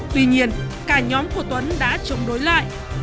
tuy nhiên cả nhóm của tuấn đã chống đối lại